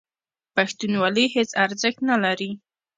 پښتونولي هېڅ ارزښت نه لري.